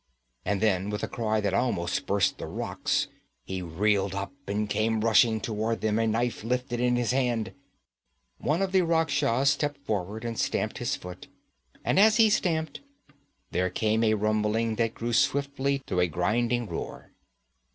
And then with a cry that almost burst the rocks, he reeled up and came rushing toward them, a knife lifted in his hand. One of the Rakhshas stepped forward and stamped his foot, and as he stamped, there came a rumbling that grew swiftly to a grinding roar.